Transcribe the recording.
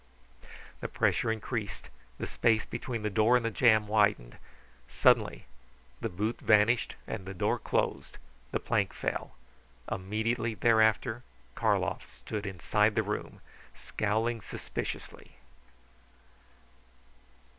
The pressure increased; the space between the door and the jamb widened. Suddenly the boot vanished, the door closed, and the plank fell. Immediately thereafter Karlov stood inside the room, scowling suspiciously.